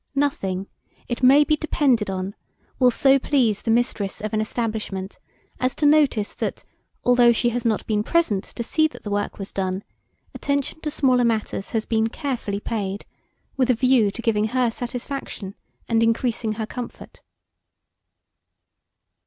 Nothing, it may be depended on, will so please the mistress of an establishment, as to notice that, although she has not been present to see that the work was done, attention to smaller matters has been carefully paid, with a view to giving her satisfaction and increasing her comfort.